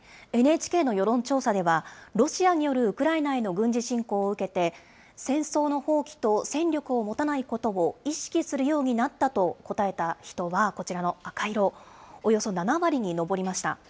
ＮＨＫの世論調査では、ロシアによるウクライナへの軍事侵攻を受けて、戦争の放棄と戦力を持たないことを意識するようになったと答えた人は、こちらの赤色、およそ７割に上りました。